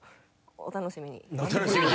お楽しみに。